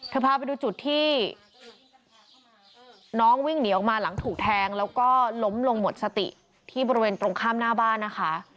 พาไปดูจุดที่น้องวิ่งหนีออกมาหลังถูกแทงแล้วก็ล้มลงหมดสติที่บริเวณตรงข้ามหน้าบ้านนะคะ